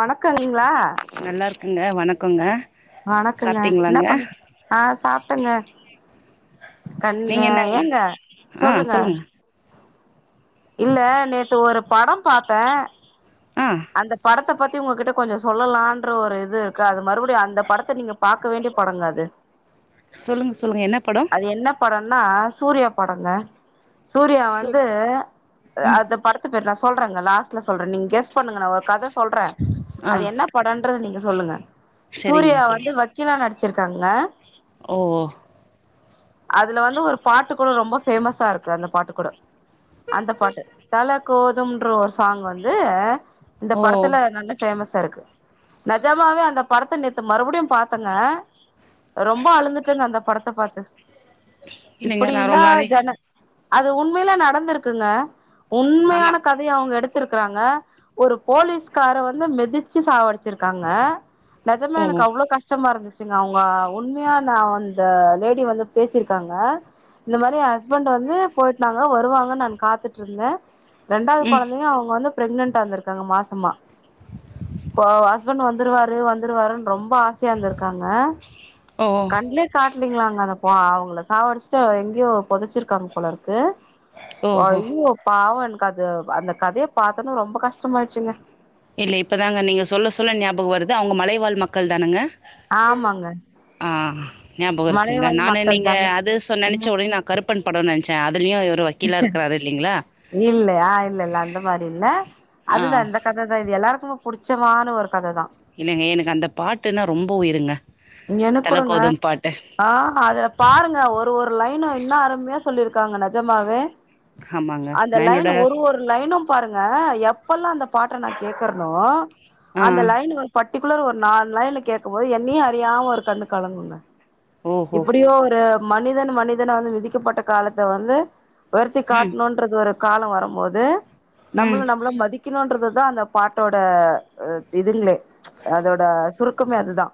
வணக்கோ நீங்ளா குக்கங்க வணக்கங்க என்ன பண்ணிட் ஆ சாப்ட்டங்க கண்ல நீங்க என்னங்க ஏங்க சொல்லுங்க இல்ல நேத்து ஒரு படம் பாத்தே ஆ அந்த படத்த பத் தி உங்ககிட்ட கொஞ்சு சொல்லலான்ற ஒரு இது இருக்கு அது மறுபடியு அந்த படத்த நீங்க பாக்க வேண்டிய படங்க அது சொல்லுங்க சொல்லுங்க என்ன படோ - னா சூர்யா படங்க சூர்யா சு வந்து ம் அந்த படத்து பேரு நா சொல் சொல்றங்க லாஸ்ல சொல்ற நீங்கெஸ் பண்ணுங்க நா ஒரு கத சொ சொல்ற ஆ அது என்ன படோன்றது நீங்க சொல்லுங்க சூர்யா சரிங்க வந்து சொல்லுங்க வக்கீலா நடிச் வச்சிருக்காங்க ஓ அதுல வந்து ஒரு பாட்டு கூட ரொம்ப ஃபேமஸா இருக்கு அந்த பாட்டு கூட அந்த பாட்டு தல கோதும்ன்ற ஒரு சாங் வந்து இந்த ஓ படத்துல நல்ல ஃபேமஸ் இருக்கு நஜமாவே அந்த படத்த நேத்து மறுபடியு பாத்தங்க ரொம்ப அழுதுட்டங்க அந்த படத்த பாத்து இல்லைங்க இப்பிடி நா இல்லா ரொம்ப நாளை ஜன அது உண்மையில நடந்திருக்குங்க ஆமா உண்மையான கதைய அவுங்க எடுத்திருக் - றாங்க ஒரு போலீஸ்கார வந்து மெதிச்சு சாவடிச்சிருக்காங்க நெஜமா ஓ எனக்கு அவ்ளோ கஷ்டமா இருந்துச்சு ங்க அவுங்க உண்மையான அந்த லேடி வந்து பேசிருக்காங்க இந்த மாதிரி எ ஹஸ்பண்ட் வந்து போய்ட்டாங்க வருவாங்கன்னு நான் காத்துட்டு இருந்த ரெண்டாவது ம் குழந்தையு அவங்க வந்து பிரெக்னன்ட் ஆ இருந்திருக்காங்க மாசமா இப்ப ஹஸ்பண்ட் வந்துருவாரு வந்துருவாருன்னு ரொம்ப ஆசையா இர்ந்திருக்காங்க ஓ கண்லே காட் அப்டிங்ளாங்க நா போ அவங்கள சாவடிச்சுட்டு எங்கயோ பொதைச்சிருக்காங்க போலருக்கு ஓஹோ ஐயோ.. பாவோ அது அந்த கதைய பார்த்தொன்னே ரொம்ப கஷ்டமாய்ட்ச்சுங்க இல்ல இப்பதாங்க நீங்க சொல்ல சொல்ல ஞாபக வருது அவங்க மலைவாழ் மக்கள் தானங்க ஆமாங்க ஆஹ் ஞாபக இருக்குங்க மலைவாழ் நானு மக்கள் நீங்க தான அது சொ நெனைச்ச ஒடனே நா கருப்பன் படம் நெனச் ச்ச இல்லயா இல்ல இல்ல அந்த மாரி இல்ல ஆ அதுதா இந்த கத தா [unintelligible] எல்லாருக்குமே புடிச்சமான ஒரு கதைதா இல்லைங்க எனக்கு அந்த பாட்டுன்னா ரொம்ப உயிருங்க எனக் தல கூடங்க கோதும் பாட்டு ஆஹ் அதுல பாருங்க ஒரு ஒரு லைனு என்னா அருமையா சொல்லிருக்காங்க நெஜமாவே ஆமாங்க அந்த நா என்னோட லைன் ஒரு ஒரு லைனும் பாருங் ங்க எப்பொல்லா அந்த பாட்ட நான் கேக்குறனோ ஆ அந்த லைன் ஒரு பட்டி குலர் ஒரு நாலு லைனு கேக்கும் போது என்னியே அறி றியாம ஒரு கண்ணு கலங்குங்க ஓஹோ இப்படியூ ஒரு மனிதன் மனிதன வந்து விதிக்கப்பட்ட காலத்த வந்து வருத்தி ம் காட்டணுன்றது ஒரு காலொ வரம்போது ம் நம்மள நம்மள மதிக்கணுன்றதுதா அந்த பாட் ட்டோட அ இதுங்களே ப்ச் அதோட சுருக் கமே அதுதா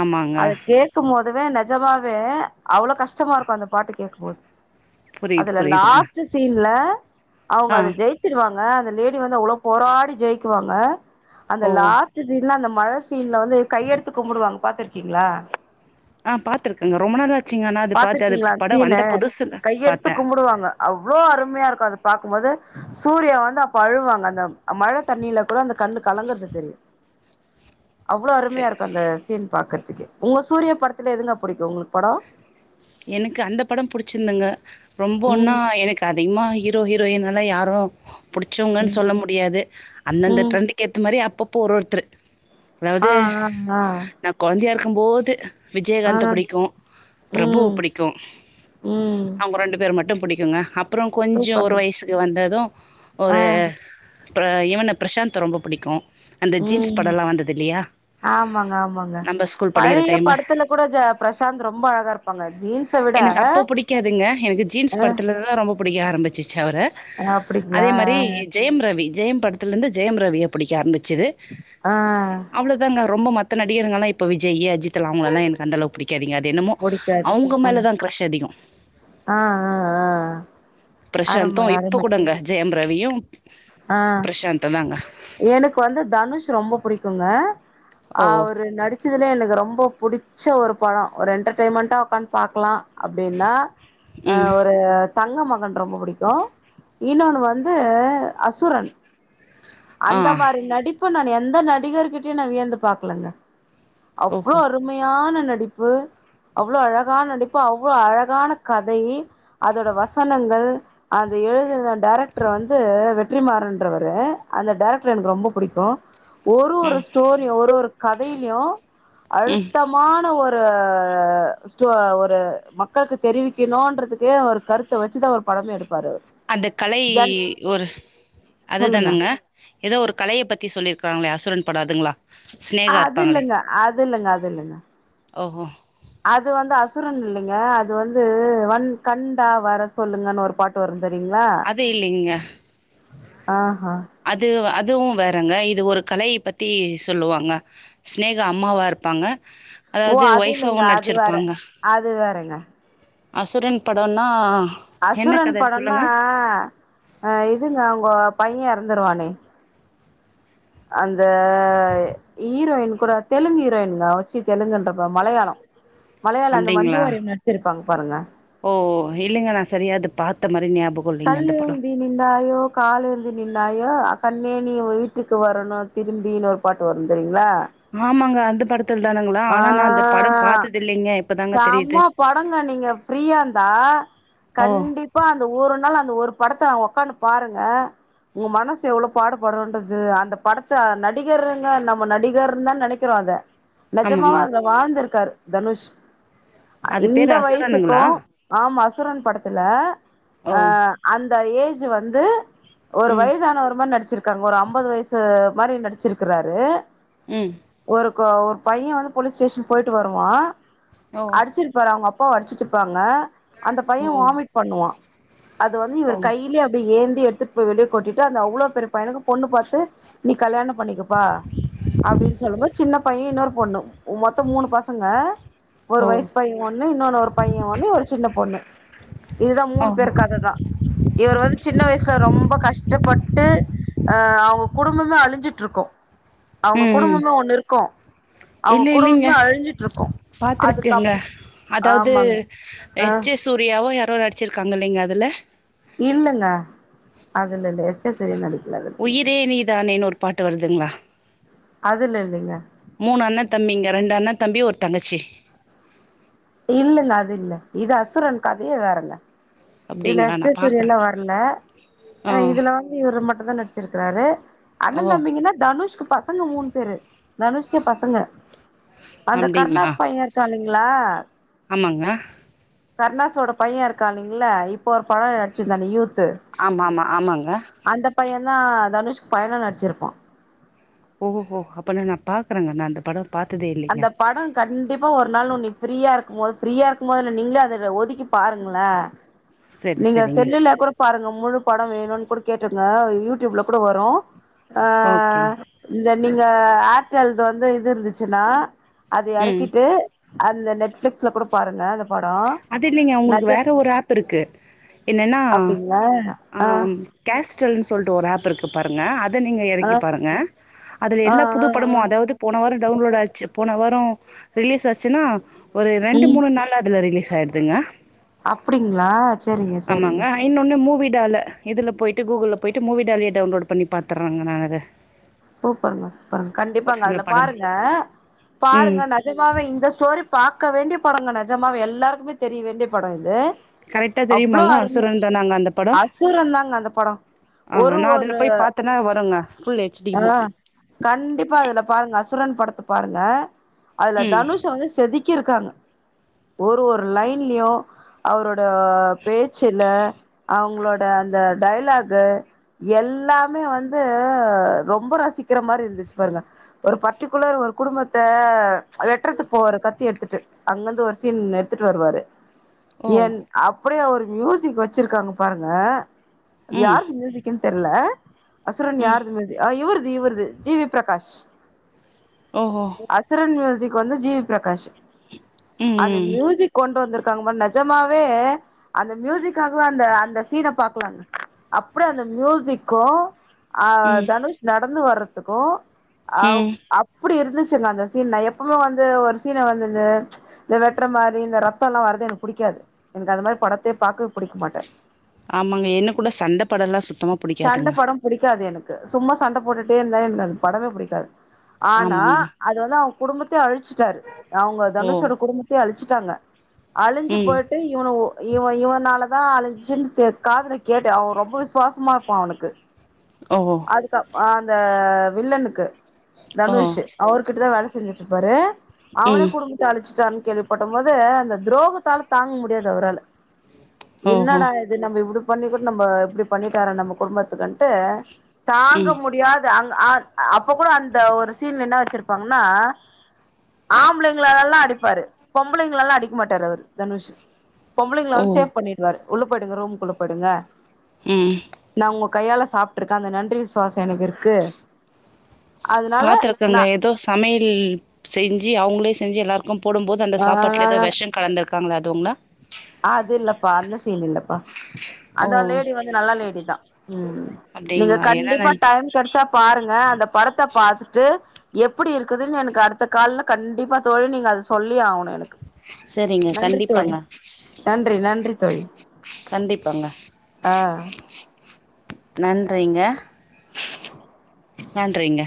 ஆமாங்க அத கேக்கும் போதுவே நெ ஜமாவே அவ்ளோ கஷ்டமா இருக்கு அந்த பாட்டு கேக்கு போத் புரியுது அதுல புரியுதுங்க லாஸ்ட்டு சீன்ல அவங்க ஆ அத ஜெயிச்சிருவாங் ஆ அந்த லேடி வந்து அவ்ளோ போராடி ஜெயிக்குவாங்க அந்த ஓ லாஸ்ட் சீன்ல அந்த மழ சீன்ல வந்து கையெடுத்து கும்புடுவாங்க பாத்துருக்கீங்களா ஆஹ் பா்த்திருக்கேங்க ரொம்ப நாளாச்சுங்க நா அது பாத்து அது பாத்துருக்கீங்களா அந்த படம் வந்த புதுசுல பாத்த அவ்ளோஅருமையா இருக்கு அத பாக்கும்போது சூர்யா வந்து அப்ப அழுவாங்க அந்த மழ தண்ணீல கூட அந்த கண்ணு கலங்குறது தெரியு அவ்வளவு அருமையா சேர் இருக்கு அந்த சீன் பாக்குறதுக்கு உங்க சூரியா படத்துல எதுங்க புடிக்கு உங்களுக்கு படொ எனக்கு அந்த படம் புடிச்சிந்துங்க ரொம்போன்னா ம் எனக்கு அதிகமா ஹீரோ ஹீரோ யின்னலா யாரு புடிச்சவங்கன்னு ம் சொல்ல முடியாது அந்தந்த ம் ட்ரெண்டுக்கு ஏத்த மாரி அப்பப் பொறுத்தரு ஆ அதாவது ஆ நா கொழந்தையா இருக் க்கும் போது ஆ விஜயகாந்த ஆ புடிக்கு பிரபு ம் க்கு ம் அவங்க ரெண்டு பேரும் மட்டு புடிக்குங்க அப் அப்புறொ கொஞ்சொ சூப்பர் ஒரு வயசுக்கு வந்தது ஆ ஒரு ப இவன பிரசாந்த் ரொம்ப புடிக்கு ம் ஆமாங்க ஆமாங்க நம்ப ஸ்கூல் படிக்கிற பழைய டைம்ல. படத்துல கூட ஜ பிரசாந்த் ரொம்ப அழகா இருப்பாங்க ஜீன்ஸ் எனக்கு அப்ப பிடிக்காதுங்க எனக்கு அ ஜீன்ஸ் படத்துல தா ரொம்ப புடிக்கு யார் அந்த [unintelligible] அவரு அதே அப்டிங்களா மாரி ஜெயம் ரவி ஜெயம் படத்தல்ந்து ஜெயம் ரவிய பிடிக்க ஆரம்பிச் ச்து ஆ அவ்ளோதான்ங்க ரொம்ப மத் த நடிகர்ங்கலா இப்ப விஜயீ அஜித்து லா அவங்களெல்லா எனக்கு அந்தளவு புடிக்காதுங் யார அத்தென்னமோ புடிக்காது அவுங்க அ மேல தா க்ரஷ் அதிகோ ஆ ஆ ஆ பிரசாந்து அரும இப்ப அரும கூடங்க ஜெயம் ரவியு [unintelligible] ஆ எனக்கு வந்து தனுஷ் ரொம்ப புடிக்குங்க ஓ! அவுரு நடிச் சிதுலே எனக்கு ரொம்போ பிடிச்ச ஒரு படோ ஒரு என்டர்டெயின்மெண்டா உக்காந் பாக்லா அப்டீன்னா ஆ ம் ஒரு தங்க மகன் ரொம்ப புடிக்கு இன்னொன்னு வந்து அசு சுரன் ஆ அந்த மாரி நடிப்பு நானு எந் ந்த நடிகர்கிட்டயு நா வியந்து பாக்லங்க அவ்ளோ ஓஹோ அருமையான நடிப்பு அவ்ளோ அழகா நடிப்பு அவ்ளோ அழகான கதை அதோட வசனங்கள் அது எழுதுன டேரக்ட்ரு வந்து வெற் ற்றிமாறன்றவரு அந்த டேரக்ட்ரு எனக்கு ரொம்ப புடிக்கு ஒரு ஒரு ம் ஸ்டோரியு ஒரு ஒரு கதைய்லியு ம் அழுத்தமான ஒரு ரு ஸ்டோ ஒரு மக்கள்க்கு தெரிவிக்கனோன்றதுக்கு ஒரு கருத்த வச்சுதா ஒரு படமே எடுப் அந்தக் கலை ஒரு சொல்லுங்க அதுதானங்க எதோ ஒரு கலைய பத்தி சொல்லிரு க்காங்ளே அசுரன் பட அதுங்ளா அது இல்லங்க அத் து இல்லங்க அது இல்லங்க ஓஹோ அது வந்து அசு சுரன் இல்லைங்க அது வந்து வந் கண்டா வர சொல்லுங்கன் ஒரு பாட்டு வரு வரீங்ளா அது இல்லைங்க அ ஹா அதுவ் அதுவு வேறங்க இது ஒரு கலை பத்தி சொல்லுவாங்க ஸ்நேகா அம்மாவா இருப்பாங்க ஓ அதாவது அது இல்லைங்க ஒய்ஃபாவு அது வேற நடிச்சிருப்பாங்க அது வேறங்க அசுரன் படோனா அசுரன் படனா அ இதுங்க அவ்ங்க பைய எறந்துருவானே அல் இந்த ஈரோயின் கூட தெலுங்கு ஈரோயின்ங்க வச்சி தெலுங்குன்றப்ப மலயாள மலயாளோ அந்த அப்டிங்களா மஞ்சுவாரியன் நடிச்சிருக் பங் பாருங்க ஓ ஓ இல்லைங்க நா செரியா அது பாத்த மாரி நியாப் கல் ஏந்தி நின்டாயோ கால்ஏந் நின்னாயோ கண்ணே நீ வீட்டுக்கு வரணு திரும்பினு ஒரு பாட்டு வரு தெரியு ல ஆமாங்க. அந்த படத்துல தானங்களா? ஆ ஆனா நான் அந்த படம் பாத்தது இல்லைங்க. இப்பதாங்க செம்ம தெரியுது. படங்க நீங்க ஃப்ரீயா இருந்தா ஓ! கண்டிப்பா அந்த ஊரன் அந்த ஒரு படத்த ஒக்காந்து பாருங்க உங்க மனசு எவளோ பாடுபடுறன்றது அந்த படத்த நடிகருங்க நம்ம நடிகருன் தா நெனைக்கிறோ அத ஆமாங்க. நெஜமாவே அதுல வாழ்ந்திருக்காரு தனுஷ் அ அது இந்த பேரு வயசுக்கு அசுரனுங்களா? ஆமா அசு அசுரன் படத்துல ஓ! ஆ அந் ந்த ஏஜ் வந்து ஒரு ம். வயதான ஒரு மாரி நடிச்சிருப் ங்க ஒரு ஐம்பது வயசு மாரி நடிச்சிருக்றாரு ம் கோ ஒரு பைய வந்து போலீஸ் ஸ்டேஷன் பொயிட்டு வருவா ஓ! அடிச்சிற்பாரு அவுங்க அப் அப்போ அடிச்சிட்ருப்பாங்க அந்த பைய ஓ! வாமிட் பண்ணுவா அது வந்து ஓ! இவர் ஓ! கையில அப்டி ஏந் எடுத்துட்போய் வெளிய கொட்டிடு அந்த அவ்ளோ பெரிய பையனுக்கு பொண்ணு பாத்து நீ கல்யாணோ பண்ணிகப்பா அப்டின்னு சொல்லும்போது சின்ன பைய இன்னொரு பொண்ணு மொத்த மூணு பசங்க ஒரு வயசு பைய ஒண்ணு இன்னொனு ஒரு பைய ஒண்ணு ஒரு சின்ன பொண்ணு இதுதா ஓ! மூணு பேர் இவர் வந்து சின்ன வயஸ்ல ரொம்ப கஷ்டப்பட்டு அ அவுங்க குடும்பமே அழிஞ்சுட்ருக்கு அவுங்க குடும்பமே ஒண்ணு இருக்கு அவங்க இல்லி இல்லிங்க குடும்பமே அழிஞ்சிட்டு இருக்கு அதுக்கப் பாத்துருக்கேங்க அதாவது ஆமாங்க ஆ எஸ் ஜெ சூர்யாவு யா ரோ அடிச்சிருக்காங்க இல்லிங்க அதுல இல்லங்க அது இல்லல எஸ்ஜே சூர்யா நடிக் உயிரே நீதானேனு ஒரு பாட்டு வருதுங்ளா அதுல்ல இல்லிங்க மூணு அண்ண தம்பிங்க ரெண்டு அண்ண தம்பி ஒரு தங்கச்சி இல்லங்க அது இல்ல இது அசுரன் கதையே வேறங்க இதுல அப்டிங்களா? எஸ் ஜே நான் சூர்யாலா பாக்குறேன். வர்ல ஓ! ஆ இதுல வந்து இவரு மட் டுதா நடிச்சிர்க்குறாரு அண்ண ஓ! தம்பிங்கனா தனுஷ்க்கு பசங்க மூண் பேரு தனுஷ்க்கே பசங்க அந்த அப்டிங்களா? கர்ணாஸ் பைய இருக்காலிங் ங்ளா ஆமாங்க கர்ணாஸ் ஓட பைய இருக்காலிங் இல்ல இப்பொ ஒரு படொ நடிச்சிர்ந்தானே யூ ஆம்மாமா ஆமாங் அந்த பய நா தனுஷ்க் பயனா நட்ச்சிருப்பா ஓஹோ அப்பனா நா பாக்குறங்க நா அந்த படோ அந்த படொ கண்டிப்பா ஒரு நாள் ஒன்னி ஃப்ரீயா இருக்குமோது ஃப்ரீயா இருக்கும்மோது இல்ல நீங்ளே அதுல ஒதுக்கி பாருங்ள சரி நீங்க சரிங்க செல்லுல கூட பாருங்க முழு பட வேணுன் கூட கேட்ருங்க யூட்யூப்ல கூட வரு அ ஓகே இந்தர் நீங்க ஆர்டல்து வந்து இது இர்ந்துச் சுனா அது ம் எறக்கிட்டு அந்த நெட்ஃப்ளிக்ஸ்ல கூட பாருங்க அந்தப் அது இல்லிங்க அவுங்குள்க்கு வேற ஒரு ஆப் இருக்கு என்னென்னா அப்டிங்களா அ ஆ கேஸ் செல்ன் சொல்ட்டு ஒரு ஆப் இருக்கு பாருங்க அத் து நீங்க ஆ எறக்கி பாருங்க அதுல ஆ எல்லா புது ஆ படமு ஆ அதாவ்து போன வார டவுன்லோட் ஆச்சு போன வாரோ ரிலிஸ் ஆச்சுனா ஒரு ரெண்டு மூணு நாளா அதுல ரிலீ ஆய்ட்துங்க அப்டிங்ளா சேரிங்க சேரிங்க டால இதுல பொயிட்டு கூகுள்ல பொயிட்டு மூவி டாலயே டவுன்லோட் பண்ணி பாத்தர்றாங்களா ந இத சூப்பருங்க சூப்பருங்க கண்டிப்பாங்க சில அதுல படலா பாருங்க பாருங்க ம் நெஜமாவே இந்த ஸ்டோரி பாக் க்க வேண்டிய படங்க நெஜமாவே எல்லாருக்குமே தெரிய வேண்டிய பட இது கரெக்டா அவ்ளோ தெரியுமாங்க அரும அசுரன் தானாங்க அந்த படோ அசுரந்தாங்க அந்த படோ ஆஹ் ஒரு நா அதுல போய் பாத்தேன்னா வருங்க [unintelligible] ஆஹ் கண்டிப்பா அதுல பாருங்க அசுரன் படத்த பாருங்க அதுல ம் தனுஷ வந்து செதுக் கிருக்காங்க ஒரு ஒரு லைன்லயு அவரோட பேச்சுல அவங்களோட அந்த டையலாகு எல்லாமே வந்து ரொம்ப ரசிக்கற மாரி இருந்துச்சு பாருங்க ஒரு பர்ட்டிகுலர் ஒரு குடும்பத்த வெட்றதுக்கு போவாரு கத்தி எடுத்துட்டு அங்கருந்து ஒரு சீன் எடுத்துட்டு வருவாரு ஓ என் அப் அப்படியே ஒரு மியூசிக் வச்சிருக்காங்க பாருங்க அது ம் யார்து மியூசிகுன் தெர்ல அசுரன் ம் யார்து மே அ இவ்ருது இவ்ருது ஜி வி பிரகாஷ் ஓஹோ அசுரன் மியூசிக் சிக் வந்து ஜீவி பிரகாஷ் ம் அந்த ம் மியூசிக் கொண்டு வந்திருக் காங் பாரு நெஜமாவே அந்த மியூசிக்காகவே அந்த அந்த சீன பாக்கலாங்க அப்டியே அந்த மியூசிக்கு ஆ ம் நடந்து வர்றதுக்கு அவ் ம் அப்படி இருந்துச் சு அந்த சீன் நா எப்பவுமே வந்து ஒரு சீன வந்து இந்த வெட்டுற மாரி இந்த ரத்தல்லா வரது எனக்கு புடிக்காது எனக்கு அந்த மாதிரி படத்த பாக்கவே புடிக்க மாட்டே ஆமாங்க எனக்கூட சண்ட‌ படலா சுத்தமா புடிக்காதுங்க க்கு சும்மா சண்ட போட்டுட்டே இருந்தா எனக் அந்த படமே புடிக்காது ஆனா ஆமாங்க அது வந்து அவ குடும்பத்த அழிச்சு டாரு அவங்க ஓ தனுஷோட குடும்பத்தையே அழிச்சு ட்டாங்க அழிஞ்சு ம் போயிட்டு இவன இவ இவனால தா அழிஞ்சு தெ காதுல கேட்ட அவ ரொம்ப விசுவாசமா இருப்பா அவனுக்கு ஓ அதுக்கு அந் த வில்லனுக்கு ஓ தனுஷ் அவர்கிட்டதா வேல செஞ்சிட்ருப்பாரு அவனே ம் குடும்பத்த அழைச்சுட்டான் கேள்விப்பட்ட போது அந்த துரோகத்தால தாங்க முடியாது அவரால ஓஹோ என்னடா இது நம்ம இப்படி பண்ணி கூட நம்ம எப்படி பண்ணிட்டார நம்ம குடும்பத்துக்குன்ட்டு தாங்க ம் முடியாது அ அ அப்ப கூட அந்த ஒரு சீன் என்ன வச்சிருப்பாங்கன்னா ஆம்பளைங்களலாம் அடிப்பாரு பொம்பளைங்கள எல்லாம் அடிக்க மாட்டாரு அவரு தனுஷ் பொம்பளைங்களை ஓ வந்து சேவ் பண்ணிடுவரு டுங்க ரூம் குள்ள போடுங்க உம் கையால் சாப்ட்டுருக் அந்த நன்றி விசுவாசம் எனக்கு இருக்கு அதனால நா பாத்திருக்கங்க ஏதோ சமையல் செஞ்சு அவங்களே ஞ்சி எல்லாருக்கும் போடும்போது அந்த ஆ சாப்பாட்டுல ஏதோ விஷம் கலந்த [unintelligible] அது இல்லப்பா அந்த சீன் இல்லப்பா அந்த ஓ லேடி வந்து நல்ல லேடிதா ம் நீங்க அப்டிங்களா ஏன்னா நா கண்டிப்பா டைம் கெடைச்சா பாருங்க அந்த படத்த பாத்துட்டு எப்டி இருக்குதுனு எனக்கு அடுத்த கால்ல கண்டிப்பா தோழி நீங்க அது சொல்லியே ஆகணு எனக்கு சரிங்க நன்றி தோழி கண்டிப்பாங்க நன்றி நன்றி தோழி கண்டிப்பாங்க ஆ நன்றிங்க நன்றிங்க